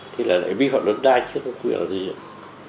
thế là lại biết luật đai chứ không có quyền xây dựng